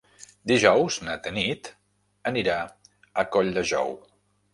Dijous na Tanit anirà a Colldejou.